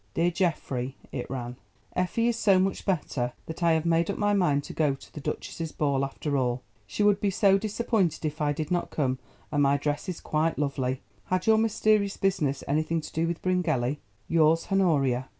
"DEAR GEOFFREY," it ran, "Effie is so much better that I have made up my mind to go to the duchess's ball after all. She would be so disappointed if I did not come, and my dress is quite lovely. Had your mysterious business anything to do with Bryngelly?—Yours, HONORIA."